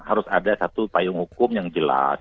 harus ada satu payung hukum yang jelas